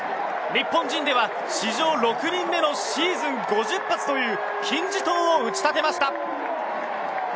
日本人では史上６人目のシーズン５０発という金字塔を打ち立てました。